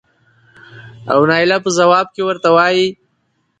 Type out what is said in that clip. او نايله په ځواب کې ورته وايې